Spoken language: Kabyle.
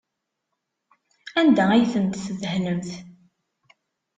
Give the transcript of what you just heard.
Anda ay tent-tdehnemt?